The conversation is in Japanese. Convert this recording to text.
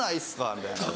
みたいな。